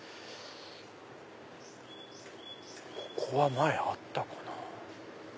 ここは前あったかな。